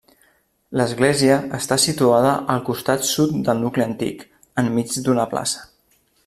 L'església està situada al costat sud del nucli antic, enmig d'una plaça.